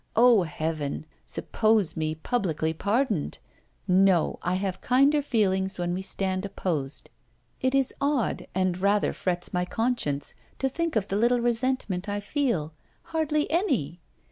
Oh, heaven! suppose me publicly pardoned! No, I have kinder feelings when we stand opposed. It is odd, and rather frets my conscience, to think of the little resentment I feel. Hardly any!